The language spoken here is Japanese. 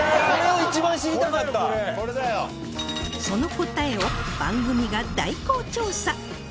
その答えを番組が代行調査